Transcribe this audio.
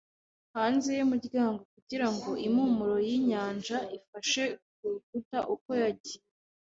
hanze yumuryango kugirango impumuro yinyanja, ifashe kurukuta uko yagiye